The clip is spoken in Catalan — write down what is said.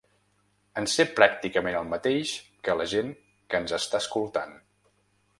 En sé pràcticament el mateix que la gent que ens està escoltant.